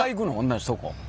同じとこ。